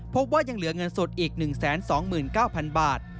พบว่ายังเหลือเงินสดอีก๑๒๙๐๐บาท